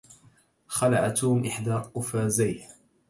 خلع توم إحدى قفازيه